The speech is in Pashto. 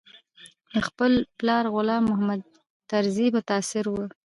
له خپل پلار غلام محمد طرزي متاثره و.